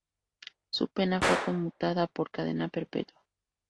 Su pena fue conmutada por cadena perpetua.